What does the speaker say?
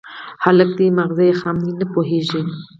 _هلک دی، ماغزه يې خام دي، نه پوهېږي.